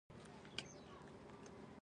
ټپي ته باید د ځان ساتنې وسایل ورکړو.